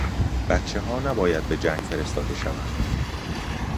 بچهها نباید به جنگ فرستاده شوند.